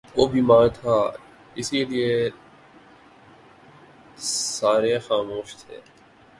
وہ بیمار تھا، اسی لئیے سارے خاموش تھے